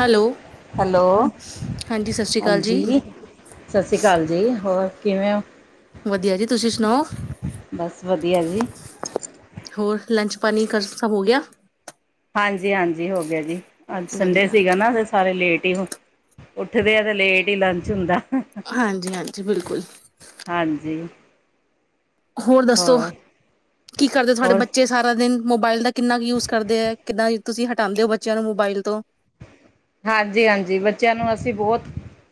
Hello. Hello ਹਾਂਜੀ ਸਤਿ ਸ਼੍ਰੀ ਅਕਾਲ ਜੀ ਹਾਂਜੀ ਸਤਿ ਸ਼੍ਰੀ ਅਕਾਲ ਜੀ ਹੋਰ। ਕਿਵੇਂ ਹੋ? ਵਧੀਆ ਜੀ ਤੁਸੀਂ ਸੁਣਾਓ ਬਸ ਵਧੀਆ ਜੀ ਹੋਰ ਲੰਚ ਪਾਣੀ ਕ ਸਭ ਹੋ ਗਿਆ। ਹਾਂਜੀ ਹਾਂਜੀ ਹੋ ਗਿਆ ਜੀ। ਅੱਜ ਸੰਡੇ ਵਧੀਆ ਸੀਗਾ ਨਾ ਤੇ ਸਾਰੇ ਲੇਟ ਉੱਠਦੇ ਆ ਤੇ ਲੇਟ ਹੀ ਲੰਚ ਹੁੰਦਾ। ਹਾਂਜੀ ਹਾਂਜੀ ਬਿਲਕੁਲ। ਹਾਂਜੀ ਹੋਰ ਦੱਸੋ ਕੀ ਕਰਦੇ ਤੁਹਾਡੇ ਹੋਰ ਬੱਚੇ ਸਾਰਾ ਦਿਨ ਮੋਬਾਇਲ ਦਾ ਕਿੰਨਾ ਕੁ ਯੂਜ ਕਰਦੇ ਹੈ ਕਿੱਦਾਂ ਤੁਸੀਂ ਹਟਾਉਂਦੇ ਹੋ ਬੱਚਿਆਂ ਨੂੰ ਮੋਬਾਇਲ ਤੋਂ। ਹਾਂਜੀ ਹਾਂਜੀ ਬੱਚਿਆਂ ਨੂੰ ਅਸੀਂ ਬਹੁਤ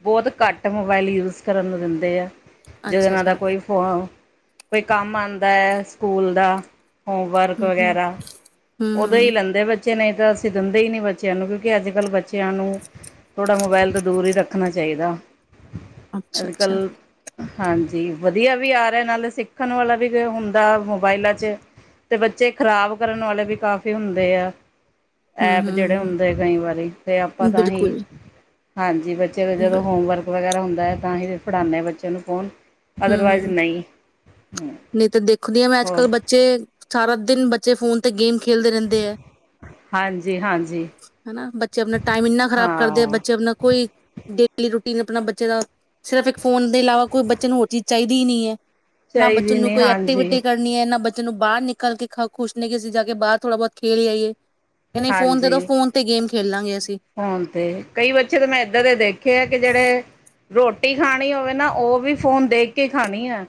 ਬਹੁਤ ਘੱਟ ਮੋਬਾਇਲ ਯੂਜ ਕਰਨ ਨੂੰ ਦਿੰਦੇ ਹਾਂ। ਅੱਛਾ ਜੋਂਨਾਂ ਦਾ ਅੱਛਾ ਕੋਈ ਫ ਕੋਈ ਕੰਮ ਆਂਦਾ ਦਾ ਹੈ ਸਕੂਲ ਦਾ ਹੋਮ ਵਰਕ ਹਮ ਹਮ ਵਗੈਰਾ ਹਮ ਉਦੋਂ ਹੀ ਹਮ ਲੈਂਦੇ ਬੇ ਬੱਚੇ ਨਹੀਂ ਤਾਂ ਅਸੀਂ ਦਿੰਦੇ ਹੀ ਨਹੀਂ ਬੱਚਿਆਂ ਨੂੰ ਕਿਉਂਕਿ ਅੱਜ ਕੱਲ੍ਹ ਬੱਚੇ ਬੱਚਿਆਂ ਨੂੰ ਥੋੜ੍ਹਾ ਮੋਬਾਇਲ ਤੋਂ ਦੂਰ ਹੀ ਰੱਖਣਾ ਚਾਹੀਦਾ। ਅੱਛਾ ਅੱਜ ਅੱਛਾ। ਕੱਲ੍ਹ ਹਾਂਜੀ ਵਧੀਆ ਵੀ ਆ ਰਿਹਾ ਨਾਲੇ ਸਿੱਖਣ ਵਾਲਾ ਵੀ ਹੁੰਦਾ ਮੋਬਾਇਲਾਂ ਚ ਤੇ ਬੱਚੇ ਖ਼ਰਾਬ ਕਰਨ ਵਾਲੇ ਵੀ ਕਾਫੀ ਹੁੰਦੇ ਆ। ਹਮ ਐਪ ਜਿਹੜੇ ਹਮ ਹੁੰਦੇ ਕਈ ਵਾਰੀ ਆਪਾਂ ਤਾਂ ਹੀ ਬਿਲਕੁਲ ਹਾਂਜੀ ਬੱਚੇ ਜਦੋਂ ਬ- ਹੋਮਵਰਕ ਵਗੈਰਾ ਹੁੰਦਾ ਹੈ ਤਾਂ ਅਸੀ ਫ ਪੜਾਉਂਦੇ ਆ ਬੱਚੇ ਨੂੰ ਫੋਨ ਹਮ ਅਦਰਵਾਈਜ਼ ਹਮ ਨਹੀਂ ਨਹੀਂ ਤਾਂ ਦੇਖਦੀ ਹ ਮੈਂ ਅੱਜ ਹੋਰ ਕੱਲ ਬੱਚੇ ਸਾਰਾ ਦਿਨ ਜ ਫੋਨ ਤੇ ਗੇਮ ਖੇਲਦੇ ਰਹਿੰਦੇ ਹੈ ਹਾਂਜੀ ਹਾਂਜੀ ਹਨਾ ਬੱਚੇ ਆਪਣਾ ਟਾਈਮ ਇੰਨਾ ਖਰਾਬ ਕਰਦੇ ਆ ਹਾਂ ਬੱਚੇ ਆਪਣਾ ਕੋਈ ਡੇਲੀ ਰੂਟੀ ਆਪਣਾ ਬੱਚੇ ਦਾ ਸਿਰਫ ਇੱਕ ਫੋਨ ਇਲਾਵਾ ਕੋਈ ਬੱਚੇ ਨੂੰ ਚਾਹੀਦੀ ਨੀ ਹੈ। ਨਾ ਚਾਹੀਦੀ ਬਚਨ ਨੂੰ ਨਹੀਂ ਕੋਈ ਹਾਂਜੀ ਐਕਟੀਵਿਟੀ ਕਰਨੀ ਹੈ ਨਾ ਬ ਬੱਚੇ ਨੂੰ ਬਾਹਰ ਨਿਕਲ ਕੇ ਖੁਸ਼ ਨੇ ਅਸੀਂ ਜਾ ਕੇ ਬਾਹਰ ਥੋੜ੍ਹਾ ਬਹੁਤ ਖੇਲ ਆਈਏ ਨਹੀਂ ਫੋਨ ਦੇ ਦੋ ਹਾਂਜੀ ਫੋਨ ਤੇ ਗੇਮ ਖੇਲ ਲਾਂਗੇ ਅਸੀਂ ਹੁਣ ਤੇ ਕਈ ਬੱਚੇ ਤਾਂ ਮੈਂ ਏਦਾਂ ਦੇ ਦੇਖੇ ਆ ਕਿ ਜਿਹੜੇ ਰੋਟੀ ਖਾਣੀ ਹੋਵੇ ਨਾ ਉਹ ਵੀ ਫੋਨ ਦੇਖ ਕੇ ਖਾਣੀ ਹੈ।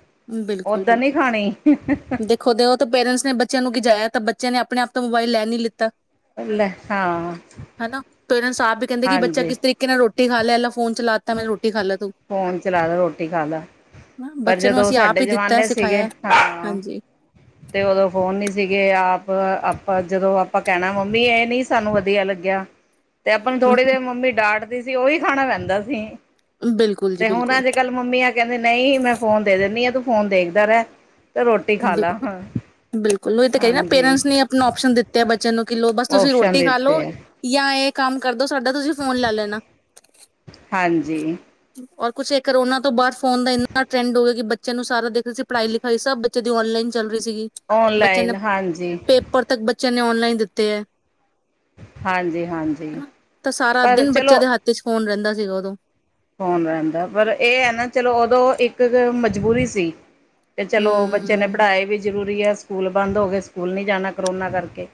ਬਿਲਕੁਲ ਬਿਲਕੁਲ ਦੇਖੋ ਦਿ ਉਹ ਤੇ ਪੇਰੈਂਟਸ ਨੇ ਬੱਚਿਆਂ ਨੂੰ ਗਿਜਾਇਆ ਤਾਂ ਬੱਚਿਆਂ ਨੇ ਆਪਣੇ ਆਪ ਤੋਂ ਮੋਬਾਇਲ ਲੈ ਨੀ ਲਿੱਤਾ। [unintelligible] ਹਾਂ। ਹਨਾ ਪੇਰੈਂਟਸ ਆਪ ਕਹਿੰਦੇ ਕਿ ਬੱਚਾ ਹਾਂਜੀ ਕਿਸ ਤਰੀਕੇ ਨਾਲ ਰ ਰੋਟੀ ਖ ਫੋਨ ਚਲਾ ਤਤਾ ਮੈਂ ਰੋਟੀ ਖਾ ਤੂੰ ਫੋਨ ਚਲਾ ਲ ਰੋਟੀ ਖਾ ਲ ਬੱਚੇ ਨੂੰ ਜਦੋਂ ਅਸੀਂ ਆਪ ਸਾਡੇ ਹੀ ਦਿੱਤਾ ਜਮਾਨੇ ਸੀਗੇ ਸਿਖਾਇਆ ਹਾਂ। ਹਾਂਜੀ ਤੇ ਉਦੋਂ ਫੋਨ ਨੀ ਸੀਗੇ ਆਪ ਆਪਾਂ ਜਦੋਂ ਆਪਾਂ ਕਹਿਣਾ ਮੰਮੀ ਇਹ ਨੀ ਸਾਨੂੰ ਵਧੀਆ ਲੱਗਿਆ। ਤੇ ਆਪਾਂ ਥੋੜੀ ਦੇ ਮੰਮੀ ਡਾਟ ਸੀ ਉਹੀ ਖਾਣਾ ਪੈਂਦਾ ਸੀ। ਬਿਲਕੁਲ ਜੀ ਤੇ ਹੁਣ ਬਿਲਕੁਲ ਅੱਜ ਕੱਲ ਮੰਮੀੀਆਂ ਕਹਿੰਦੀ ਨਹੀਂ ਮੈਂ ਫੋਨ ਦੇ ਦਿੰਦੀ ਆ ਤੂੰ ਫੋਨ ਦੇਖਦਾ ਰਹਿ। ਤੇ ਰੋਟੀ ਖਾ ਬਿਲਕੁਲ ਲਾ ਬਿਲਕੁਲ ਉਹਹੀ ਤਾਂ ਕਰੀ ਨਾ ਹਾਂਜੀ ਪੇਰੈਂਟਸ ਨੇ ਆਪਣਾ ਆਪਓਪਸ਼ਨ ਦਿੱਤੇ ਬੱਚੇ ਨੂੰ ਕਿ ਲੋ ਬਸ ਤੁਸੀਂ ਓਪਸ਼ਨ ਰੋਟੀ ਖਾ ਲੋਓ ਦਿੱਤੇ ਹੈ ਜਾਂ ਇਹ ਕੰਮ ਕਰਦੋ। ਸਾਡਾ ਤੁਸੀਂ ਫੋਨ ਲੈ ਲੈਣਾ। ਹਾਂਜੀ ਔਰ ਕੁਛ ਕਰੋਨਾ ਤੋਂ ਬਾਅਦ ਫੋਨ ਦਾ ਇੰਨਾ ਟਰੈਂਡ ਹੋ ਗਿਆ ਕਿ ਬੱਚਿਆਂ ਨੂੰ ਸਾਰਾ ਦੇਖ ਸੀ ਪੜ੍ਹਾਈ ਲਿਖਾਈ ਸਭ ਜੇ ਬੱਚਿਆਂ ਨੂੰ ਜਦੀ ਔਨਲਾਈਨ ਚ ਸੀਗੀ, ਬੱਚਿਆਂ ਨੇ ਔਨਲਾਈਨ ਹਾਂਜੀ ਪੇਪਰ ਤੱਕ ਬੱਚ [unintelligible] ਬੱਚਿਆਂ ਨੇ ਔਨਲਾਈਨ ਦਿੱਤੇ ਐ। ਹਾਂਜੀ ਹਾਂਜੀ ਹਨਾ, ਤਾਂ ਸਾਰਾ ਪਰ ਦਿਨ ਬੱਚਿਆਂ ਚਲੋ ਦੇ ਹੱਥ ਚ ਹੋਣ ਰਹਿੰਦਾ। ਦਾ ਸੀਗਾ ਉਦੋਂ ਫੋਨ ਰਹਿੰਦਾ, ਪਰ ਇਹ ਐ ਨਾ ਚਲੋ, ਉਦੋਂ ਇੱਕ ਮਜਬੂਰੀ ਸੀ। ਤੇ ਚਲੋ ਬੱਚੇ ਨੇ ਹਮ ਪੜ੍ਹਾਏ ਵੀ ਜ਼ਰੂਰੀ ਰੀ ਸਕੂਲ ਬੰਦ ਹੋ ਗਏ, ਸਕੂਲ ਨਹੀਂ ਜਾਣਾ ਕਰੋਨਾ ਕਰਕੇ।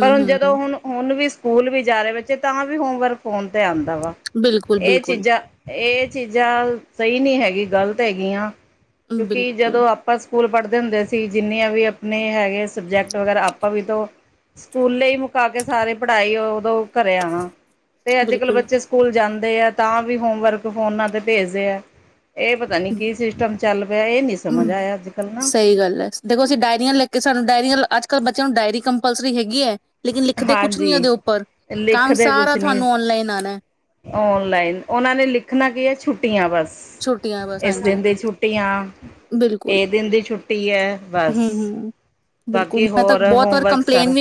ਪਰ ਹੁਣ ਜਦੋਂ ਹਮ ਹੁਣ ਹੁਣ ਵੀ ਸਕੂਲ ਵੀ ਜਾ ਰਹੇ ਬੱਚੇ, ਤਾਂ ਵੀ ਹੋਮਵਰਕ ਫੋਨ 'ਤੇ ਆਉਂ ਦਾ ਵਾ, ਬਿਲਕੁਲ ਇਹ ਬਿਲਕੁਲ ਚੀਜ਼ਾਂ ਇਹ ਚੀਜ਼ਾਂ ਸਹੀ ਨੀ, ਹੈਗੀ ਗ਼ਲਤ ਹੈਗੀਆਂ। ਕਿਉਂਕਿ ਬਿਲਕੁਲ ਜਦੋਂ ਆਪਾਂ ਸਕੂਲ ਪੜ੍ਹਦੇ ਹੁੰਦੇ ਸੀ, ਜਿੰਨੀਆਂ ਵੀ ਆਪਣੇ ਹੈਗੇ ਸਬਜੈਕਟ ਵਗੈਰਾ ਆਪਾਂ ਵੀ ਤਾਂ ਸਕੂਲੇ ਹੀ ਮੁਕਾ ਕੇ ਸਾਰੇ ਪੜ੍ਹਾਈ ਉਦੋਂ ਘਰੇ ਆਣਾ ਤੇਂ, ਅੱਜ ਕੱਲ੍ਹ ਬਿਲਕੁਲ ਬੱਚੇ ਸਕੂਲ ਜਾਂਦੇ ਆ ਤਾਂ ਵੀ ਹੋਮਵਰਕ ਫੋਨਾਂ ਤੇ ਭੇਜਦੇ ਆ। ਇਹ ਪਤਾ ਨੀ, ਕੀ ਸਿਸਟਮ ਚੱਲ ਪਿਆ ਇਹ ਨੀ ਸਮਝ ਹਮ ਆਇਆ ਅੱਜ ਕੱਲ੍ਹ ਨਾ ਸਹੀ ਗੱਲ ਐ, ਦੇਖੋ ਅਸੀਂ ਡਾਇਰੀਆਂ ਲੈ ਕੇ ਸਾਨੂੰ ਡਾਇਰੀਆਂ ਅੱਜ ਕੱਲ੍ਹ ਬੱਚਿਆਂ ਨੂੰ ਡਾਇਰੀ ਕੰਪਲਸਰੀ ਹੈਗੀ ਐ ਹਾਂਜੀ ਕੰਮ ਲਿਖਦੇ ਕੁਛ ਸਾਰਾ ਨੀ ਤੁਹਾਨੂੰ ਔਨਲਾਈਨ ਆਉਣਾ ਹੈ ਓਨਲਾਈਨ, ਉਹਨਾਂ ਨੇ ਲਿਖਣਾ ਕੀ ਹੈ ਛੁੱਟੀਆਂ ਬਸ ਛੁੱਟੀਆਂ ਬਸ ਇਸ ਹਾਂਜੀ ਦਿਨ ਦੀ ਛੁੱਟੀ ਆ, ਬਿਲਕੁਲ ਇਹ ਦਿਨ ਦੀ ਛੁੱਟੀ ਐ, ਬਸ ਹਮ ਹਮ ਬਾਕੀ ਹੋਰ ਹੋਮਵਰਕ ਸਰ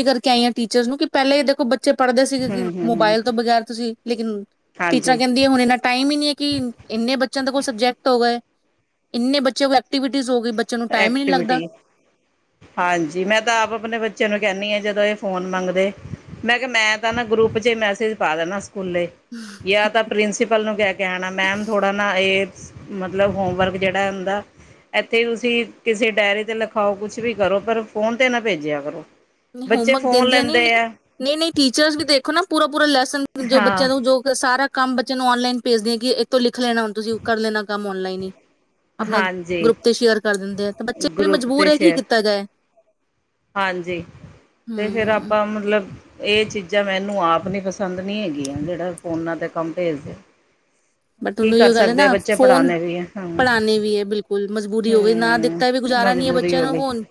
ਟੀਚਰ ਨੂੰ, ਕਿ ਪਹਿਲੇ ਦੇਖੋ ਬੱਚੇ ਬੱਚੇ ਪੜ੍ਹਦੇ ਸੀਗੇ ਕਿ ਹੂੰ ਹੂੰ ਹੂੰ। ਮੋਬਾਇਲ ਤੋਂ ਬਗੈਰ ਤੁਸੀਂ ਲੇਕਿਨ ਟੀਚਰਾਂ ਹਾਂਜੀ ਕਹਿੰਦੀ, ਹੁਣ ਇੰਨਾ ਟਾਈਮ ਹੀ ਨਹੀ ਐ ਕਿ ਇੰਨੇ ਬੱਚੇ ਕੋ ਸਬਜੈਕਟ ਹੋ ਗਏ, ਇੰਨੇ ਬੱਚੇ ਕੋ ਐਕਟੀਵਿਟੀਜ਼ ਹੋ ਗਈ ਬੱਚੇ ਨੂੰ ਟਾਈਮ ਹੀ ਨਹੀਂ ਲੱਗਦਾ ਐਕਟੀਵਿਟੀ, ਹਾਂਜੀ ਮੈਂ ਤਾਂ ਆਪ ਆਪਣੇ ਬੱਚਿਆਂ ਨੂੰ ਕਹਿੰਦੀ ਹਾਂ ਜਦੋਂ ਫੋਨ ਮੰਗਦੇ, ਮੈਂ ਕਿਹਾ ਮੈਂ ਤਾਂ ਨਾ ਗਰੁੱਪ ਚ ਮੈਸੇਜ ਪਾ ਦੇਣਾ ਸਕੂਲੇੇ ਜਾਂ ਤਾਂ ਪ੍ਰਿੰਸੀਪਲ ਨੂੰ ਕਹਿ ਕੇ ਆਣਾ, ਮੈਮ ਥੋੜ੍ਹਾ ਨਾ ਇਹ ਮਤਲਬ ਹੋਮਵਰਕ ਜਿਹੜਾ ਹੁੰਦਾ, ਇੱਥੇ ਤੁ ਸੀਂ ਕਿਸੇ ਡਾਇਰੀ ਤੇ ਲਿਖਾਓ ਕੁਛ ਵੀ ਕਰੋਂ, ਪਰ ਫੋਨ ਤੇ ਨਾ ਭੇਜਿਆਂ ਕਰੋ। ਬੱਚੇ ਹੋਮਵਰਕ ਫ਼ੋਨ ਦਿੰਦੀਆਂ ਨੀ, ਲੈਂਦੇ ਆ ਨਹੀਂ ਨਹੀਂ ਟੀਚਰਸ ਵੀ ਦੇਖੋ ਨਾ ਪੂਰਾ ਪੂਰਾ ਲੈਸਨ ਜੋ ਹਾਂ ਬੱਚਿਆਂ ਨੂੰ, ਜੋ ਸਾਰਾ ਕੰਮ ਬੱਚਿਆਂ ਨੂੰ ਆਨਲਾਈਨ ਭੇਜਦੇ ਹੈਗੀ, ਇਹ ਤੋ ਲਿ ਖ, ਲੈਣਾਂ ਤੁਸੀਂ, ਕਰ ਲੈਂਣਾਂ ਕੰਮ ਔਨਲਾਈਨ ਹੀ। ਆਪਣਾ ਹਾਂਜੀ ਗਰੁੱਪ ਤੇ ਸ਼ੇਅਰ ਕਰ ਦਿੰਦੇ ਆ ਤੇ ਬੱਚੇ ਵੀ ਗਰੁੱਪ ਮਜਬੂਰ 'ਤੇ ਹੈ ਕੀ ਸ਼ੇਅਰ ਕੀਤਾ ਜਾਏ। ਹਾਂਜੀ। ਤੇ ਫੇਰ ਹਮ ਆਪਾਂ ਮਤਲਬ ਇਹ ਚੀਜ਼ਾਂ ਮੈਨੂੰ ਆਪ ਨੀ ਪਸੰਦ ਨਹੀਂ ਹੈਗੀਆਂ ਜਿਹੜਾ ਫੋਨਾਂ ਤੇ ਕੰਮ ਭੇਜਦੇ। ਬਟ ਕੀ ਉਹਨੂੰ ਕਰ ਇਹ ਗੱਲ ਹੈ ਸਕਦੇ ਆ ਨਾ ਬੱਚੇ ਫੋਨ ਪੜਾਉਣੇ ਵੀ ਐ ਹਾਂ ਹੂੰ ਪੜ੍ਹਾਣੇ ਵੀ ਹੈ ਬਿਲਕੁਲ ਮਜਬੂਰੀ ਹੋ ਗਈ ਨਾ ਦਿੱਤਾ ਵੀ ਗੁਜ਼ਾਰਾ ਨਹੀਂ ਹੈ ਮਜਬੂਰੀ ਬੱਚਿਆਂ ਹੋ ਨੂੰ ਗਈ ਫੋਨ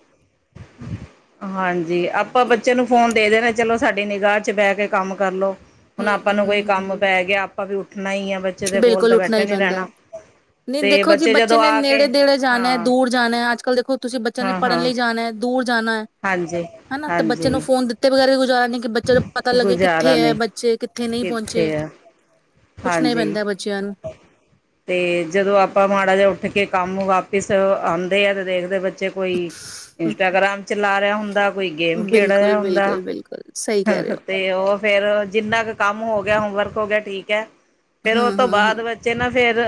ਹਾਂਜੀ ਆਪਾਂ ਬੱਚੇ ਨੂੰ ਫੋਨ ਦੇ ਦੇਣਾ। ਚਲੋ ਸਾਡੀ ਨਿਗਾਹ ਚ ਬਹਿ ਕੇ ਕੰਮ ਕਰਲੋ। ਹੁਣ ਹਮ ਆਪਾਂ ਹਮ ਨੂੰ ਕੋਈ ਹਮ ਹਮ ਕੰਮ ਹਮ ਪੈ ਗਿਆ। ਆਪਾਂ ਵੀ ਉੱਠਣਾ ਹੀ ਆ। ਬੱਚੇ ਦੇ ਕੋਲ ਬਿਲਕੁਲ ਤਾਂ ਉੱਠਣਾ ਬੈਠੇ ਹੀ ਨੀ ਪੈਂਦਾ ਰਹਿਣਾ ਨਹੀਂ ਤੇ ਦੇਖੋ ਜੀ ਬੱਚੇ ਜਦੋਂ ਨੇ ਆ ਕੇ ਨੇੜੇ ਨੇੜੇ ਜਾਣਾ ਹਾਂ ਦੂਰ ਜਾਣਾ ਅੱਜ ਕੱਲ ਦੇਖੋ ਤੁਸੀਂ ਬੱਚਿਆਂ ਨੂੰ ਹਾਂ ਪੜ੍ਹਨ ਹਾਂ ਲਈ ਜਾਣਾ ਦੂਰ ਜਾਣਾ ਹਾਂਜੀ ਹਨਾ ਤੇ ਬੱਚੇ ਨੂੰ ਹਾਂਜੀ ਫੋਨ ਦਿੱਤੇ ਵਗੈਰੇ ਵੀ ਕ ਕਿ ਬੱਚੇ ਦਾ ਪਤਾ ਲੱਗੇ ਕਿੱਥੇ ਗੁਜ਼ਾਰਾ ਐ ਨੀ ਬੱਚੇ ਕਿੱਥੇ ਨਹੀਂ ਪਹੁੰਚੇ। ਕਿੱਥੇ ਆ ਪੁੱਛਣਾ ਹੀ ਹਾਂਜੀ ਪੈਂਦਾ ਬੱਚਿਆਂ ਨੂੰ ਤੇ ਜਦੋਂ ਆਪਾਂ ਮਾੜਾ ਜਿਹਾ ਉੱਠ ਕੇ ਕੰਮ ਇਸ ਆਂਦੇ ਆ ਤੇ ਦੇਖਦੇ ਬੱਚੇ। ਕੋਈ ਇੰਸਟਾਗ੍ਰਾਮ ਚਲਾ ਰਿਹਾ ਹੂੰ ਕੋਈ ਗੇਮ ਖੇਡ ਰਿਹਾ ਬਿਲਕੁਲ ਹੁੰਦਾ ਬਿਲਕੁਲ ਬਿਲਕੁਲ ਸਹੀ ਕਹਿ ਰਹੇ ਤੇ ਉਹ ਫੇਰ ਜਿੰਨਾ ਕ ਕੰਮ ਹੋ ਗਿਆ ਹੋਮਵਰਕ ਹੋ ਗਿਆ ਠੀਕ। ਠੀਕ ਐ। ਹੋ ਫੇਰ ਉਹ ਹੂੰ ਤੋਂ ਹੂੰ ਬਾਅਦ ਹੂੰ ਬੱਚੇ ਨਾ। ਫੇਰ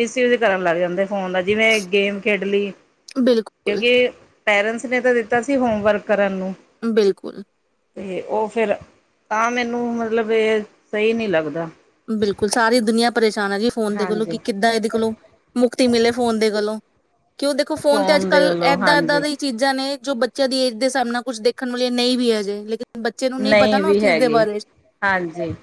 ਮਿਸ ਯੂਜ ਕਰਨ ਲੱਗ ਜਾਂਦੇ। ਫੋਨ ਦਾ ਜਿਵੇਂ ਗੇਮ ਖੇਡ ਲਈ ਬਿਲਕੁਲ ਕਿਉਂਕਿ ਪੇਰੈਂਟਸ ਨੇ ਤਾਂ ਦਿੱਤਾ ਸੀ ਹੋਮਵਰਕ ਕਰਨ ਨੂੰ। ਬਿਲਕੁਲ। ਅਤੇ ਉਹ ਫਿਰ ਤਾਂ ਮੈਨੂੰ ਮਤਲਬ ਇਹ ਸਹੀ ਨਹੀਂ ਲੱਗਦਾ। ਬਿਲਕੁਲ ਸਾਰੀ ਦੁਨੀਆਂ ਪਰੇਸ਼ਾਨ। ਣਾ ਜੀ ਫੋਨ ਦੇ ਕੋਲੋਂ ਹਾਂਜੀ ਕਿ ਕਿੱਦਾਂ ਇਹਦੇ ਕੋਲੋਂ ਮੁਕਤੀ ਮਿਲੇ ਫੋਨ ਦੇ ਕੋਲੋਂ। ਕਿਉਂ ਦੇਖੋ ਫੋਨ ਤੇ ਅੱਜ ਦੇ ਕੱਲ ਵੱਲੋਂ ਏਦਾਂ ਏਦਾਂ ਹਾਂਜੀ ਦੀ ਚੀਜ਼ਾਂ ਨੇ ਜੋ ਏਜ ਦੇ ਸਾਹਮਣਾ ਕੁੱਛ ਦੇਖਣ ਵਾਲੀਆਂ ਨਹੀਂ ਵੀ ਅਜੇ ਲੇਕਿਨ ਬੱਚੇ ਨੂੰ ਪਤਾ ਨਹੀਂ ਨਾ ਉਸ ਵੀ ਚੀਜ਼ ਦੇ ਹੈਗੀ ਬਾਰੇ ਹਾਂਜੀ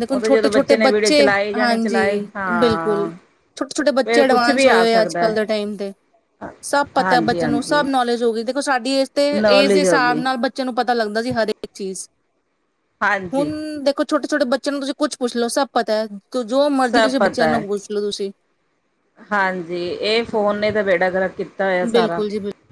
ਦੇਖੋ ਉਹ ਤਾਂ। ਛੋਟੇ ਛੋਟੇ ਨੇ ਵੀਡੀਓ ਬੱਚੇ ਚਲਾਏ ਜਾਣੇ ਹਾਂਜੀ ਚਲਾਏ ਬਿਲਕੁਲ ਹਾਂ ਛੋਟੇ ਛੋਟੇ ਬੱਚੇ ਫਿਰ ਕੁਛ ਅਡਵਾਂਸ ਵੀ ਹੋਏ ਆ ਹੋਏ ਅੱਜ ਸਕਦਾ ਕੱਲ ਦੇ ਟਾਈਮ ਤੇ ਹੈ ਸਭ ਪਤਾ ਹਾਂਜੀ ਬੱਚੇ ਨੂੰ ਹਾਂਜੀ ਸਭ ਨੌਲੇਜ ਹੋ ਗਈ ਦੇਖੋ ਸਾਡੀ ਏਜ ਤੇ ਏਜ ਦੇ ਨੌਲੇਜ ਹੋ ਹਿਸਾਬ ਗਈ ਨਾਲ ਬੱਚੇ ਨੂੰ ਪਤਾ ਲੱਗਦਾ। ਹਰੇਕ ਚੀਜ਼ ਹੁਣ ਹਾਂਜੀ ਦੇਖੋ ਛੋਟੇ ਛੋਟੇ ਜੋ ਕੁੱਛ ਪੁੱਛ ਲੋੋ ਸਭ ਪਤਾ ਹੈ! ਜੋ ਮਰਜ਼ੀ ਸਭ ਤੁਸੀਂ ਪਤਾ ਬੱਚਿਆਂ ਹੈ ਨੂੰ ਪੁੱਛ ਲੋ ਤੁਸੀਂ ਹਾਂਜੀ ਇਹ ਫੋਨ ਨੇ ਤਾਂ ਬੇੜਾ ਗਰਕ ਕੀਤਾ ਸਾਰਾ ਬਿਲਕੁਲ ਜੀ ਬਿਲਕੁਲ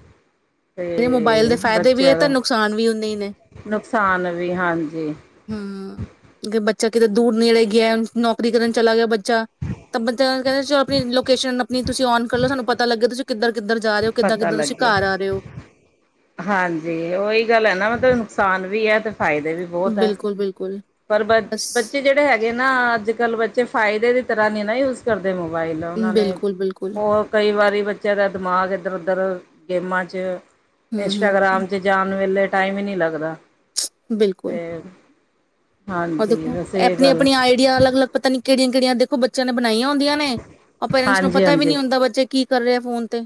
ਮੋਬਾਇਲ ਤੇ ਦੇ ਫਾਇਦੇ ਵੀ ਹੈ ਬੱਚਿਆਂ ਤੇ ਦਾ ਨੁਕਸਾਨ ਵੀ ਉਹਨੇ ਵੀ ਨੇ ਨੁਕਸਾਨ ਵੀ ਹਾਂਜੀ ਹਂ ਕਿ ਬੱਚਾ ਕਿਤੇ ਦੂਰ ਨੇੜੇ ਗਿਆ ਨੌਕਰੀ ਕਰਨ ਚਲਾ ਗਿਆ ਬੱਚਾ ਤਾਂ ਬਾ ਕਹਿੰਦੇ ਚਲੋ ਆਪਣੀ ਲੋਕੇਸ਼ਨ ਆਪਣੀ ਤੁਸੀਂ ਔਨ ਕਰਲਓ ਸਾਨੂੰ ਪਤਾ ਲੱਗਿਆ ਤੁਸੀਂ ਕਿੱਧਰ ਹੋ! ਕਿੱਧਰ ਜਾ ਰਹੇ ਹੋ ਕਿੱਦਾਂ ਪਤਾ ਕਿੱਦਾਂ ਤੁਸੀਂ ਲੱਗੇ ਘਰ ਆ ਰਹੇ ਹੋ। ਹਾਂਜੀ ਉਹੀ ਗੱਲ ਹੈ। ਨਾ ਮਤਲਬ ਨੁਕਸਾਨ ਵੀ ਹੈ ਤੇ ਫਾਇਦੇ ਵੀ ਬਹੁਤ ਹੈ। ਬਿਲਕੁਲ-ਬਿਲਕੁਲ ਪਰ ਬਸ ਬੱਚੇ ਜਿਹੜੇ ਹੈਗੇ ਨਾ ਅੱਜ ਕੱਲ੍ਹ ਬੱਚੇ ਫਾਇਦੇ ਦੀ ਤਰ੍ਹਾਂ ਨਹੀਂ ਨਾ ਹੀ ਉਸਨੂੰ ਚਲਾਉਦੇ ਦੇ ਮੋਬਾਈਲ ਉਹ ਨੇ ਬਿਲਕੁਲ-ਬਿਲਕੁਲ ਹੋਰ ਕਈ ਵਾਰੀ ਬੱਚਿਆਂ ਦਾ ਦਿਮਾਗ ਇੱਧਰ ਉਧੱਰ ਗੇਮਾਂ ਚ ਲੱਗੇ ਰਹਿਦੇ ਹੂੰ-ਹੂੰ ਇੰਸਟਾਗ੍ਰਾਮ ਚ ਜਾਣ ਵੇਲੇ ਟਾਈਮ ਹੀ ਨਹੀਂ ਲੱਗਦਾ। ਬਿਲਕੁਲ ਤੇ ਉਹ ਹਾਂਜੀ ਦੇਖੋ ਬਸ ਇਹ ਆਪਣੀ ਗੱਲ ਹੈ। ਆਪਣੀ ਆਈਡੀਆ ਅਲੱਗ ਅਲੱਗ ਪਤਾ ਨੀ ਕਿਹੜੀਆਂ ਕਿਹੜੀਆਂ ਦੇਖੋ ਬੱਚਿਆਂ ਨੇ ਨਹੀਂਆਂ ਹੁੰਦੀਆਂ ਨੇ ਉਹ ਪੇਰੈਂਸਟ ਨੂੰ ਹਾਂਜੀ ਪਤਾ ਵੀ ਹਾਂਜੀ ਨਹੀਂ ਹੁੰਦਾ ਬੱਚੇ ਕੀ ਕਰਦੇ। ਕਰ ਰਿਹਾ ਫੋਨ ਤੇ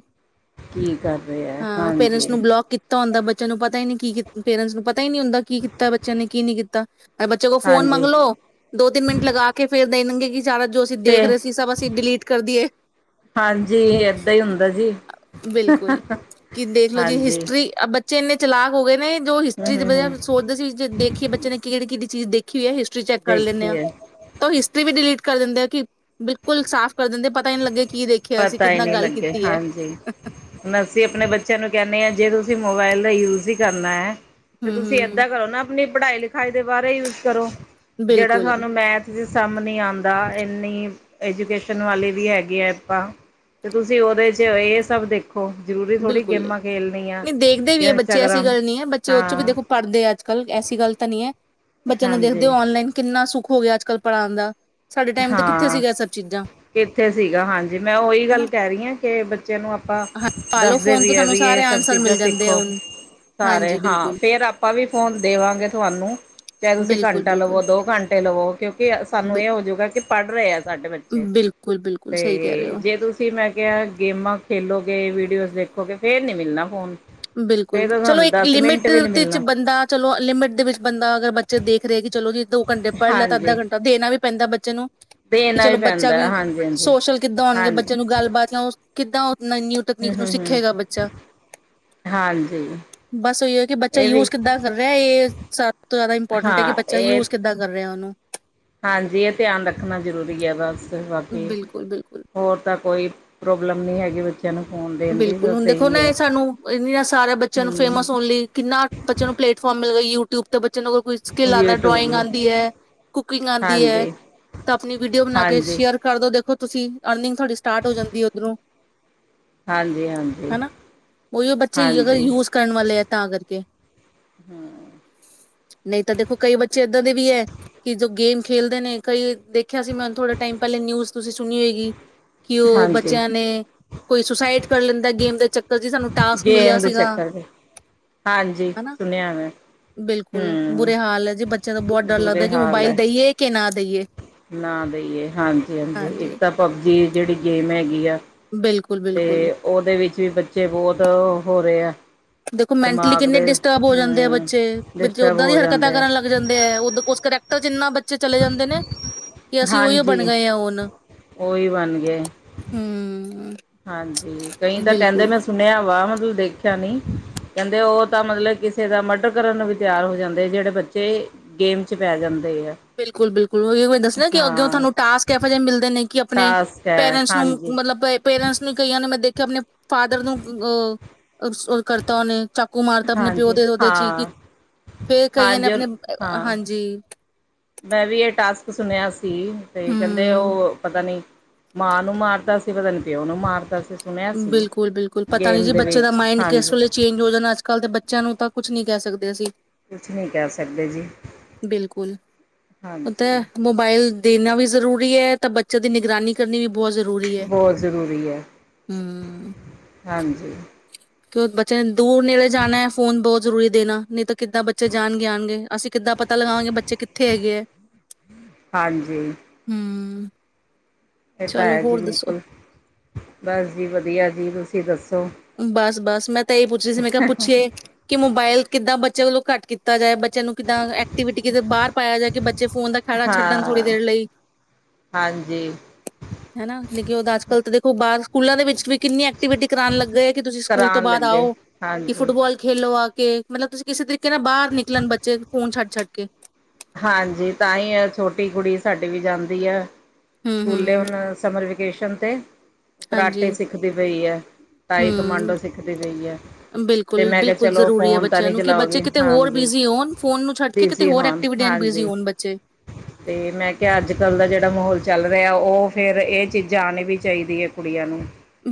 ਕੀ ਕਰ ਰਹੇ ਹੈ ਹਾਂ ਪੇਰੈਂਟਸ ਹਾਂਜੀ ਨੂੰ ਬਲੋਕ ਕੀਤਾ ਹੁੰਦਾ ਬੱਚਿਆਂ ਨੂੰ ਪਤਾ ਹੀ ਨਹੀਂ ਕੀ ਪੇਰੈਂਟਸ ਨੂੰ ਪਤਾ ਹੀ ਨਹੀਂ ਹੁੰਦਾ ਕੀ ਕੀਤਾ ਬੱਚਿਆਂ ਨੇ ਕੀ ਨਹੀਂ ਕੀਤਾ। ਬੱਚੇ ਕੋ ਫੋਨ ਹਾਂਜੀ ਮੰਗਲੋੋ ਦੋ ਤਿੰਨ ਮਿੰਟ ਲਗਾ ਕੇ ਫਿਰ ਬੱਚੇ ਫੋਨ ਦੇਣਾ ਦੇਣਗੇ ਕਿ ਜੋ ਅਸੀਂ ਫੇ ਦੇਖ ਰਹੇ ਸੀ ਸਭ ਅਸੀਂ ਡਿਲੀਟ ਕਰ ਦੀਏ ਹਾਂਜੀ ਏਦਾਂ ਹੀ ਹੁੰਦਾ ਜੀ ਬਿਲਕੁਲ ਕੀ ਦੇਖ ਲੋੋ ਜੀ ਹਾਂਜੀ ਹਿਸਟਰੀ ਬੱਚਿਆਂ ਦੀ ਚ ਇਨੇ ਚਲਾਕ ਹੋ ਗਏ ਨੇ ਜੋ ਹਮ ਹਿਸਟਰੀ ਚ ਹਮ ਹਮ ਵਧਿਆ ਸੋਚਦੇ ਸੀ ਵੀ ਦੇਖੀਏ ਬੱਚੇ ਨੇ ਕੀ ਕਿਹੜੀ ਕਿ ਕੀਤਾ ਚੀਜ਼ ਦੇਖੀ ਹੋਇਆ ਚੈੱਕ ਕਰ ਲੈਂਦੇ ਆਂ ਦੇਖੀਏ ਤਾਂ ਉਹ ਹਿਸਟਰੀ ਵੀ ਡਿਲੀਟ ਕਰ ਦਿੰਦੇ ਆ ਕਿ ਬਿਲਕੁਲ ਸਾਫ਼ ਕਰ ਦਿੰਦੇ ਪਤਾ ਹੀ ਨਹੀਂ ਲੱਗੇ ਕੀ ਦੇਖਿਆ ਅਸੀਂ ਪਤਾ ਹੀ ਕਿੰਨਾ ਨਹੀਂ ਗੱਲ ਲੱਗਿਆ। ਕੀਤੀ ਹੈ ਹਾਂਜੀ ਅਸੀਂ ਆਪਣੇ ਬੱਚਿਆਂ ਨੂੰ ਕਹਿੰਦੇ ਹਾਂ ਜੇ ਤੁਸੀਂ ਤੁਸੀਂ ਮੋਬਾਇਲ ਦਾ ਯੂਜ ਹੀ ਕਰਨਾ ਹੈ। ਤੇ ਹਮ ਤੁਸੀਂ ਹਮ ਏਦਾਂ ਕਰੋ ਨਾ ਆਪਣੀ ਪੜ੍ਹਾਈ ਲਿਖਾਈ ਦੇ ਬਾਰੇ ਯੂਜ ਕਰੋ ਜਿਹੜਾ ਬਿਲਕੁਲ ਤੁਹਾਨੂੰ ਮੈਥ ਦ ਸਮ ਨਹੀਂ ਆਂਦਾ ਇੰਨੀ ਐਜੂਕੇਸ਼ਨ ਵਾਲੇ ਹੈਗੀ ਆ ਆਪਾਂ ਤੇ ਤੁਸੀਂ ਉਹਦੇ ਚ ਇਹ ਸਭ ਦੇਖੋ ਜ਼ਰੂਰੀ ਥੋੜ੍ਹੀ ਬਿਲਕੁਲ ਨਹੀਂ, ਗੇਮਾਂ ਖੇਲਣੀਆਂ ਨਹੀਂ ਦੇਖਦੇ ਵੀ ਹੈ ਜਾਂ ਬੱਚੇ ਐਸੀ ਇੰਸਟਾਗ੍ਰਾਮ ਗੱਲ ਨਹੀਂ ਐ ਬੱਚੇ ਉਹ ਚੋਂ ਵੀ ਹਾਂ ਦੇਖੋ ਪੜ੍ਹਦੇ ਆ ਅੱਜ- ਕੱਲ ਐਸੀ ਗੱਲ ਤਾਂ ਨਹੀਂ ਐ। ਬੱਚਿਆਂ ਨੂੰ ਦੇਖਦੇ ਹਾਂਜੀ ਹੋ ਔਨਲਾਈਨ ਕਿੰਨਾ ਸੁੱਖ- ਹੋ ਗਿਆ ਅੱਜ ਕੱਲ੍ਹ ਪੜਾਣ ਦਾ। ਸਾਡੇ ਟਾਈਮ ਤੇ ਕਿੱਥੇ ਹਾਂ ਸੀਗਾ ਸਭ ਚੀਜ਼ਾਂ ਕਿੱਥੇ ਸੀਗਾ ਹਾਂਜੀ ਮੈਂ ਉਹ ਹੀ ਗੱਲ ਹਨਾ ਕਹਿ ਰਹੀ ਆ- ਤੇ ਬੱਚ- ਬੱਚੇ ਨੂੰ ਆਪਾਂ ਹਾਂ ਪਾਲੋ ਦੱਸਦੇ ਫੋਨ ਵੀ ਤੋਂ ਐ ਤੁਹਾਨੂੰ ਵੀ ਇਹ ਸਾਰੇ ਸਭ ਆਂਸਰ ਚੀਜ਼ਾਂ ਮਿਲ ਜਾਂਦੇ ਆ ਸਿੱਖੋ, ਹੁਣ ਸਾਰੇ ਹਾਂਜੀ ਹਾਂ, ਬਿਲਕੁਲ ਫੇਰ ਆਪਾਂ ਵੀ ਫੋਨ ਦੇਵਾਂਗੇ- ਤੁਹਾਨੂੰ- ਚਾਹੇ ਤੁਸੀਂ ਬਿਲਕੁਲ ਘੰਟਾ ਲਵੋ, ਬਿਲਕੁਲ ਦੋ ਘੰਟੇ ਲਵੋ ਕਿਉਂਕਿ ਸਾਨੂੰ ਬਿ ਇਹ ਹੋਜੂ- ਬਹਿ ਕੇ ਪੜ੍ਹ ਰਹੇ ਆ ਸਾਡੇ ਬੱਚੇ ਬਿਲਕੁਲ ਬਿਲਕੁਲ ਸਹੀ ਕਹਿ ਰਹੇ ਤੇ ਹੋ ਜੇ ਤੁਸੀਂ ਮੈਂ ਕਿਹਾ ਗੇਮਾਂ ਖੇਲੋਗੇ, ਵੀਡੀਓਜ਼ ਦੇਖੋ- ਖੋਗੇ ਫੇਰ ਨੀ ਮਿਲਣਾ ਫੋਨ। ਬਿਲਕੁਲ, ਫੇਰ ਤਾਂ ਚਲੋ ਤੁਹਾਨੂੰ ਇੱਕ ਦਸ ਮਿੰਟ ਲਿਮਿਟ ਵੀ ਨੀ ਦੇ ਮਿਲਣਾ ਬੰਦਾ ਚਲੋ ਲਿਮਿਟ ਦੇ ਵਿੱਚ ਬੰਦਾ ਅਗਰ ਬੱਚੇ ਦੇਖ ਰਹੇ ਕਿ ਚਲੋ ਜ- ਦੋ ਘੰਟੇ ਪੜ੍ਹ ਲਿਆ ਤਾਂ ਅੱਧਾ ਹਾਂਜੀ ਘੰਟਾ ਦੇਣਾ ਵੀ ਪੈਂਦਾ ਬੱਚ- ਚੇ ਨੂੰ- ਕਿ ਦੇਣਾ ਵੀ ਚਲੋ ਬੱਚਾ ਪੈਂਦਾ ਵੀ ਹਾਂਜੀ ਹਾਂਜੀ ਸੋਸ਼ਲ ਕਿੱਦਾਂ ਹੋਣਗੇ ਹਾਂਜੀ ਬੱਚੇ ਨੂੰ ਗੱਲਬਾਤ ਜਾਂ ਓਸ- ਕਿੱਦਾਂ ਉਹ- ਨਵੀਂ ਨਿਊ ਹਮ ਤਕਨੀਕ ਨੂੰ ਹਮ ਹਮ ਸਿੱਖੇਗਾ ਬੱਚਾ। ਹਾਂਜੀ ਬਸ ਉਹੀ ਹੈ ਕਿ ਬੱਚਾ ਇਹ ਵੀ ਯੂਜ ਕਿੱਦਾਂ ਕਰ ਰਿਹਾ ਇਹ ਸਭ ਤੋਂ ਜ਼ਿਆਦਾ ਇੰਪੋਰਟੈਂਟ ਹੈ ਕਿ ਹਾਂ ਬੱਚਾ ਇਹ ਯੂਜ ਕਿੱਦਾਂ ਕਰ- ਰਿਹਾ ਉਹਨੂੰ। ਹਾਂਜੀ, ਇਹ ਧਿਆਨ ਰੱਖਣਾ ਜ਼ਰੂਰੀ ਹੈ ਬਸ। ਤੇ ਬਾਕੀ ਬਿਲਕੁਲ ਬਿਲਕੁਲ ਹੋਰ ਤਾਂ- ਕੋਈ ਪ੍ਰੋਬਲਮ ਨਹੀਂ ਹੈਗੀ ਵਿੱਚ- ਬਿਲਕੁਲ ਹੁਣ ਦੇਖੋ ਨਾ ਇਹ ਸਾਨੂੰ ਇਹ ਨਾ ਸਾਰੇ ਬੱਚਿਆਂ ਨੂੰ ਹੂੰ ਫੇਮਸ ਹੋਣ ਲਈ ਕਿੰਨਾ ਬੱਚਿਆਂ ਨੂੰ ਪਲੇਟਫਾਰਮ ਮਿਲ਼ ਗਿਆ ਯੂਿ- ਟਿਊਬ ਤੋਂ ਬੱਚ- ਬੱਚੇ ਨੂੰ ਕੋਈ ਸਕਿੱਲ ਆਂਦਾ, ਡਰੋਇੰਗ ਯੂਟਿਊਬ ਆਂਦੀ ਐ, ਕੁਕਿੰਗ ਆਂਦੀ ਐ ਹਾਂਜੀ ਤਾਂ ਆਪਣੀ ਵੀਡੀਓ ਬਣਾ ਕੇ ਹਾਂਜੀ ਸ਼ੇਅਰ ਕਰਦੋ ਦੇਖੋ- ਤੁਸੀਂ ਅਰਨਿੰਗ ਤੁਹਾਡੀ ਸਟਾਰਟ ਹੋ ਜਾਂਦੀ ਉਧਰੋਂ। ਹਾਂਜੀ ਹਾਂਜੀ ਹਨਾ ਉਹੀਓ ਬੱਚੇ ਅਗਰ ਹਾਂਜੀ ਯੂਜ ਕਰਨ ਵਾਲੇ ਐ ਤਾਂ ਆ ਕਰਕੇ- ਨਹੀਂ ਤਾਂ ਦੇਖੋ ਕਈ ਬੱਚੇ ਏਦਾਂ ਦੇ ਵੀ ਐ ਕਿ ਜੋ ਗੇਮ- ਖੇਲਦੇ ਨੇ ਕਈ ਦੇਖਿਆ ਸੀ ਮੈਂ ਥੋੜੇ ਟਾਈਮ ਪਹਿਲੇ ਨਿਊਜ ਤੁਸੀਂ ਸੁਣੀ ਹੋਏਗੀ। ਕਿ ਉਹ ਹਾਂਜੀ ਬੱਚਿਆਂ ਨੇ ਕੋਈ ਸੁਸਾਈਡ- ਕਰ ਲੈਂਦਾ ਗੇਮ ਦੇ ਚੱਕਰ ਚ ਸਾਨੂੰ ਟਾਸਕ ਮਿਲਿਆ ਗੇਮ ਦੇ ਸੀਗਾ ਚੱਕਰ ਦੇ ਹਾਂਜੀ ਹਨਾ ਸੁਣਿਆ ਮੈਂ ਬਿਲਕੁਲ ਹੂੰ ਬੁਰੇ ਹਾਲ ਹੈ ਜੀ ਬੱਚਿਆਂ ਦਾ ਬਹੁਤ ਡਰ ਲੱਗਦਾ ਬੁਰੇ ਕਿ ਹਾਲ ਮੋਬਾਈਲ ਹੈ ਦੇਈਏ ਕਿ ਨਾ ਦੇਈਏ ਨਾ ਦੇਈਏ ਹਾਂਜੀ ਹਾਂਜੀ ਇੱਕ ਤਾਂ ਪਬਜੀ ਜਿਹੜੀ ਗੇਮ ਹੈਗੀ ਆ ਬਿਲਕੁਲ ਤੇ ਬਿਲਕੁਲ ਉਹਦੇ ਵਿੱਚ ਵੀ ਬੱਚੇ ਬਹੁਤ ਹੋ ਰਹੇ ਆ ਦੇਖੋ ਮੈਂਟਲੀ ਦਿਮਾਗ ਕਿੰਨੇ ਦੇ ਡਿਸਟਰਬ ਹੋ ਜਾਂਦੇ ਆ ਹੂੰ ਬੱਚੇ ਬੇ ਡਿਸਟਰਬ ਓਦਾਂ ਦੀ ਹੋ ਹਰਕਤਾਂ ਜਾਂਦੇ ਕਰਨ ਲੱਗ ਜਾਂਦੇ ਹੈ ਉ ਉਸ ਕਰੈਕਟਰ ਜਿੰਨਾ ਬੱਚਾ ਪੇ ਚਲੇ ਜਾਂਦੇ ਨੇ ਕਿ ਅਸੀਂ ਉਹੀਓ ਬਣ ਹਾਂਜੀ ਗਏ ਹਾਂ ਹੁਣ ਹਮ ਉਹੀ ਬਣ ਗਏ [unintelligible] ਹੁੂੰ ਹਾਂਜੀ ਕਈ ਤਾਂ ਕਹਿੰਦੇ ਮੈਂ ਸੁਣਿਆ ਵਾ ਮਤ ਦੇਖਿਆ ਨੀ ਕਹਿੰਦੇ ਉਹ ਤਾਂ ਮਤਲਬ ਕਿਸੇ ਦਾ ਮਡਰ ਕਰਨ ਨੂੰ ਵੀ ਤਿਆਰ ਹੋ ਜਾਂਦੇ ਜਿਹੜੇ ਬੱਚੇ ਗੇਮ ਚ ਪੈ ਜਾਂਦੇ ਆ ਬਿਲਕੁਲ ਬਿਲਕੁਲ ਮ ਦੱਸ ਕਿ ਅੱਗੇ ਹਾਂ ਤੁਹਾਨੂੰ ਟਾਸਕ ਇਹੋ ਜਿਹੇ ਮਿਲਦੇ ਨੇ ਕਿ ਆਪਣੇ ਟਾਸਕ ਹੈ ਪੇਰੈਂਟਸ ਨੂੰ ਹਾਂਜੀ ਮਤਲਬ ਪੇਰੈਂਟਸ ਕਈਆਂ ਨੇ ਮੈਂ ਦੇਖਿਆ ਆਪਣੇ ਫਾਦਰ ਨੂੰ ਅ ਉਹ ਕਰਤਾ ਉਹਨੇ ਚਾਕੂ ਮਾਰਤਾ ਆਪਣੇ ਪਿਓ ਹਾਂਜੀ ਦੇ ਉਹਦੇ ਚ ਹੀ ਹਾਂ ਫੇਰ ਕਈਆਂ ਨੇ ਹਾਂਜੀ ਆਪਣੇ ਹਾਂ ਹਾਂਜੀ ਮੈਂ ਵੀ ਇਹ ਟਾਸਕ ਸੁਣਿਆ ਸੀ ਸੀ ਤੇ ਕਹਿੰਦੇ ਹੂੰ ਉਹ ਪਤਾ ਨੀ ਮਾਂ ਨੂੰ ਮਾਰਦਾ ਸੀ ਪਤਾ ਨ ਪਿਓ ਨੂੰ ਮਾਰਦਾ ਸੀ ਸੁਣਿਆ ਸੀ ਬਿਲਕੁਲ ਬਿਲਕੁਲ ਪਤਾ ਨੀ ਗੇਮ ਜੀ ਦੇ ਬੱਚੇ ਦਾ ਵਿੱਚ ਮਾਈੰਡ ਕਿਸ ਹਾਂਜੀ ਵੇਲੇ ਚੇਂਜ ਹੋ ਜਾਣਾ ਅੱਜ ਕਲ ਦੇ ਬੱਚਿਆਂ ਨੂੰ ਤਾਂ ਕੁੱਛ ਨੀ ਕਹਿ ਸਕਦੇ ਅਸੀਂ ਕੁਛ ਨਹੀਂ ਕਰ ਸਕਦੇ ਜੀ ਬਿਲਕੁਲ ਉਹ ਹਾਂਜੀ ਤਾਂ ਮੋਬਾਇਲ ਦੇਣਾ ਵੀ ਜ਼ਰੂਰੀ ਹੈ ਤਾਂ ਬੱਚਿਆਂ ਦੀ ਨਿਗਰਾਨੀ ਕਰਨੀ ਵੀ ਬਹੁਤ ਜ਼ਰੂਰੀ ਹੈ ਬਹੁਤ ਜ਼ਰੂਰੀ ਹੈ ਹਾਂਜੀ ਕਿਉ ਬੱਚੇ ਨੇ ਦੂਰ ਨੇੜੇ ਜਾਣਾ ਹੈ ਫੋਨ ਬਹੁਤ ਜ਼ਰੂਰੀ ਦੇਣਾ ਨਹੀਂ ਤਾਂ ਕਿੱਦਾਂ ਬੱਚੇ ਜਾਣਗੇ ਆਉਣਗੇ ਅਸੀਂ ਕਿੱਦਾਂ ਪਤਾ ਲਗਾਵਾਂਗੇ ਬੱਚੇ ਕਿੱਥੇ ਹੈਗੇ ਹੈ ਹਾਂਜੀ ਇਹ ਤਾਂ ਚਲੋ ਹੈ ਜੀ ਹੋਰ ਦੱਸੋ ਬਿਲਕੁਲ ਬਸ ਜੀ ਵਧੀਆ ਜੀ ਤੁਸੀਂ ਦੱਸੋ ਬਸ ਬਸ ਮੈਂ ਹੀ ਪੁੱਛ ਰਹੀ ਸੀ ਮੈਂ ਕਿਹਾ ਪੁੱਛੀਏ ਕਿ ਮੋਬਾਇਲ ਕਿੱਦਾਂ ਬ ਬੱਚਿਆਂ ਵੱਲੋਂ ਘੱਟ ਕੀਤਾ ਜਾਏ ਬੱਚੇ ਨੂੰ ਕਿੱਦਾਂ ਐਕਟੀਵਿਟੀ ਕਿਤੇ ਬਾਹਰ ਪਾਇਆ ਜਾ ਕੇ ਬੱਚੇ ਫੋਨ ਦਾ ਖੜਾ ਛੱਡਣ ਥੋੜੀ ਹਾਂ ਦੇਰ ਲਈ ਹਾਂਜੀ ਹਨਾ ਲੇਕਿ ਉਹਦਾ ਅੱਜ ਕਲ੍ਹ ਤਾਂ ਦੇਖੋ ਬਾਹਰ ਸਕੂਲ ਦੇ ਵਿੱਚ ਵੀ ਕਿੰਨੀ ਐਕਟੀਵਿਟੀ ਕਰਾ ਗਏ ਕਿ ਤੁਸੀਂ ਸਕੂਲ ਤੋਂ ਕਰਾਉਣ ਬਾਅਦ ਲੱਗੇ ਆਓ ਕਿ ਹਾਂਜੀ ਫੁੱਟਬਾਲ ਖੇਲੋ ਆ ਮਤਲਬ ਤੁਸੀਂ ਕਿਸੇ ਤਰੀਕੇ ਕਹਿੰ ਬਾਹਰ ਨਿਕਲਣ ਬੱਚੇ ਫੋਨ ਛੱਡ ਛੱਡ ਓਕੇ ਹਾਂਜੀ ਤਾਂ ਹੀ ਆ ਛੋਟੀ ਕੁੜੀ ਸਾਡੀ ਵੀ ਜਾਂਦੀ ਆ ਹੂੰ ਸਕੂਲੇ ਹੂੰ ਹੁਣ ਸਮਰ ਵਿੱਚ ਗਸ਼ਨ ਤੇ ਕਰਾਟੇ ਹਾਂਜੀ ਸਿੱਖਦੀ ਪਈ ਹੈ ਤਾਈ ਹੂੰ ਕਮਾਂਡੋ ਸਿੱਖਦੀ ਪਈ ਹੈ ਤੇ ਬਿਲਕੁਲ, ਮੈਂ ਕਿਹਾ ਬਿਲਕੁਲ ਚਲੋ ਜ਼ਰੂਰੀ ਹੈ ਫੋਨ ਤਾਂ ਬੱਚਿਆਂ ਨਹੀਂੀ ਨੂੰ ਕਿ ਬੱਚੇ ਚਲਾਓਗੇ ਕਿਤੇ ਹੋਰ ਹਾਂਜੀ ਬਿਜ਼ੀ ਹੋਣ, ਫੋਨ ਨੂੰ ਛੱਡ ਕੇ ਡੀ ਕਿਤੇ ਸੀ ਹੋਰ ਹੋਣ ਐਕਟੀਵਿਟੀਆਂ 'ਚ ਬਿਜ਼ੀ ਹਾਂਜੀ ਹੋਣ ਬੱਚੇ। ਤੇ ਮੈਂ ਕਿਹਾ ਅੱਜ ਕੱਲ ਦਾ ਜਿਹੜਾ ਮਾਹੌਲ ਚੱਲ ਰਿਹਾ ਉਹ ਫੇਿਰ ਇਹ ਚੀਜ਼ਾਂ ਆਉਣੀ ਵੀ ਚਾਹੀਦੀ ਹੈ ਕੁੜੀਆਂ ਨੂੰ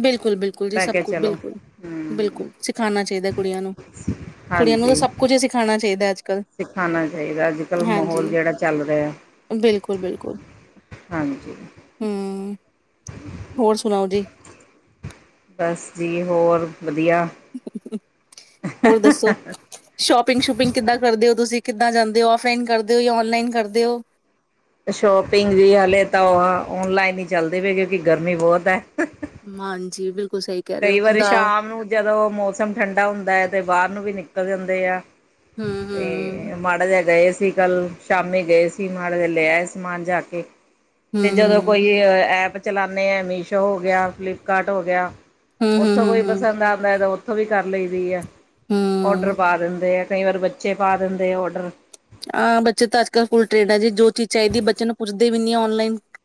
ਬਿਲਕੁਲ ਬਿਲਕੁਲ ਜੀ ਲੈ ਸਭ ਕੇ ਕੁਛ ਚਲੋ ਬਿਲਕੁਲ ਹਮ ਬਿਲਕੁਲ ਸਿਖਾਣਾ ਚਾਹੀਦਾ ਕੁੜੀਆਂ ਨੂੰ ਕੁੜੀਆਂ ਨੂੰ ਤਾਂ ਸਭ ਕੁੱਝ ਹੀ ਸਿਖਾਣਾ ਚਾਹੀਦਾ ਅੱ ਸਿਖਾਣਾ ਚਾਹੀਦਾ ਅੱਜ ਕਲ੍ਹ ਮਾਹੌਲ ਜਿਹੜਾ ਚੱਲ ਰਿਹਾ ਬਿਲਕੁਲ, ਬਿਲਕੁਲ ਹਾਂਜੀ ਹੂੰ, ਹੋਰ ਸੁਣਾਓ ਜੀ ਬਸ ਜੀ ਹੋਰ ਵਧੀਆ ਹੋਰ ਦੱਸੋ ਸ਼ੋਪਿੰਗ ਸ਼ੂਪਿੰਗ ਕਿੱਦਾਂ ਕਰਦੇ ਹੋ ਤੁਸੀਂ ਕਿੱਦਾਂ ਜਾਂਦੇ ਹੋ ਫਲਾਈਨ ਕਰਦੇ ਹੋ ਜਾਂ ਔਨਲਾਈਨ ਕਰਦੇ ਹੋ ਸ਼ੋਪਿੰਗ ਵੀ ਹਲੇ ਤਾਂ ਉਹ ਓਨਲਾਈਨ ਹੀ ਚੱਲਦੀ ਪਏ ਕਿਉਂਕਿ ਗਰਮੀ ਬਹੁਤ ਹੈ ਹਾਂਜੀ ਬਿਲਕੁਲ ਸਹੀ ਕਹਿ ਰਹੇ ਕਈ ਹੋ ਵਾਰੀ ਦਾ ਸ਼ਾਮ ਨੂੰ ਜਦੋਂ ਮੌਸਮ ਠੰਡਾ ਹੁੰਦਾ ਹੈ ਤੇ ਬਾਹਰ ਨੂੰ ਵੀ ਨਿਕਲ ੱਕ ਜਾਂਦੇ ਆ ਹੂੰ, ਹੂੰ, ਹੂੰ, ਤੇ ਮਾੜਾ ਜਗਾ ਸੀ ਕੱਲ ਸ਼ਾਮੀ ਗਏ ਸੀ ਮੜੇ ਲੈ ਆਏ ਸਮਾਨ ਜਾ ਕੇ ਤੇ ਜਦੋਂ ਹੂੰ, ਕੋਈ ਐਪ ਚਲਾਉਂਦੇ ਹਾਂ ਮੀਸ਼ੋ ਹੋ ਗਿਆ ਫਲਿੱਪਕਾਰਟ ਹੋ ਗਿਆ ਹੂੰ, ਹੂੰ, ਉੱਥੋਂ ਕੋਈ ਹੂੰ, ਹੂੰ, ਪਸੰਦ ਆਉਂਦਾ ਹੈ ਤਾਂ ਉੱਥੋਂ ਵੀ ਕਰ ਲਈਦੀ ਹੈ ਔਡਰ ਹੂੰ। ਪਾ ਦਿੰਦੇ ਆ ਕਈ ਵਾਰ ਬੱਚੇ ਪਾ ਦਿੰਦੇ ਆ ਔਡਰ ਹਾਂ ਬੱਚੇ ਤਾਂ ਅੱਜ ਕੱਲ ਫੂਲ ਟ੍ਰੇਡ ਹੈ ਜੀ ਜੋ ਚੀਜ਼ ਚਾਹੀਦੀ ਬੱਚੇ ਨੂੰ ਪੁੱਛਦੇ ਵੀ ਨੀ ਔਨਲਾਈਨ